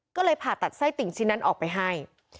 ก็เลยผ่าตัดไส้ติ่งชิ้นนั้นออกไปให้